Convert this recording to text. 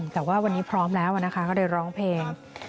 แต่ว่าวันนี้พร้อมแล้วนะคะก็ได้ร้องเพลง